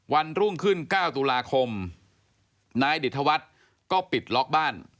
วันรุ่งขึ้น๙ตุลาคมนายดิตธวัฒน์ก็ปิดล็อกบ้าน